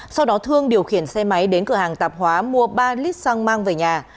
sau đó thương điều khiển xe máy đến cửa hàng tạp hóa mua ba lít xăng mang về nhà